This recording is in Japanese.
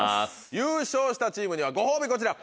優勝したチームにはご褒美こちら。